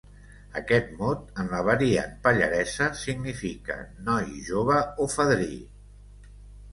Aquest mot, en la variant pallaresa, significa noi jove o fadrí.